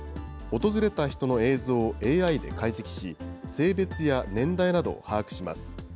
訪れた人の映像をＡＩで解析し、性別や年代などを把握します。